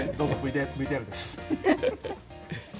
ＶＴＲです。